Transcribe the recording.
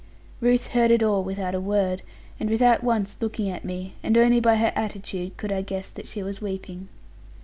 Ruth heard it all without a word, and without once looking at me; and only by her attitude could I guess that she was weeping.